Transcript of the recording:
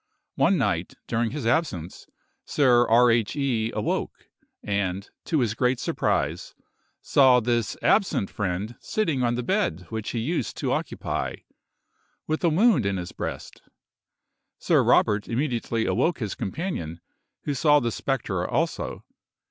One night, during his absence, Sir R. H. E—— awoke, and, to his great surprise, saw this absent friend sitting on the bed which he used to occupy, with a wound in his breast. Sir Robert immediately awoke his companion, who saw the spectre also.